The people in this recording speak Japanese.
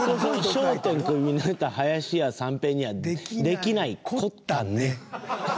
首になった林家三平にはできないこったね。